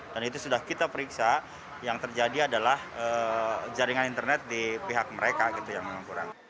dan itu sudah kita periksa yang terjadi adalah jaringan internet di pihak mereka gitu yang memang kurang